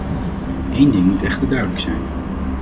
Eén ding moet echter duidelijk zijn.